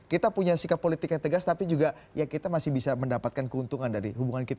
kita punya sikap politik yang tegas tapi juga ya kita masih bisa mendapatkan keuntungan dari hubungan kita